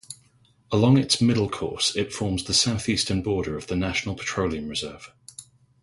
Along its middle course it forms the southeastern border of the National Petroleum Reserve.